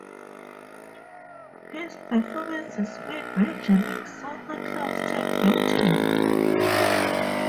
His performances made Major League Soccer clubs take notice.